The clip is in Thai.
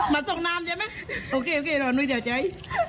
มาส่งน้ำได้มั้ยโอเคน้องนุ่งเดี๋ยวใจ